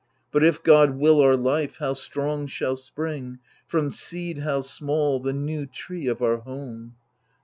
But, if God will our life, how strong shall spring, From seed how small, the new tree of our home